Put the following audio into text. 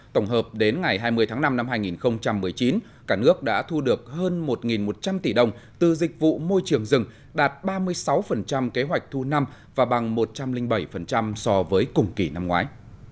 tổng hợp đến ngày hai mươi tháng năm năm hai nghìn một mươi chín cả nước đã thu được hơn một một trăm linh tỷ đồng từ dịch vụ môi trường rừng đạt ba mươi sáu kế hoạch thu năm và bằng một trăm linh bảy so với cùng kỳ năm ngoái